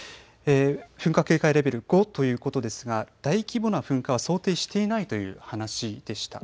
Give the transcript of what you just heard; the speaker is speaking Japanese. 噴火警戒レベル５ということですが大規模な噴火は想定していないという話でした。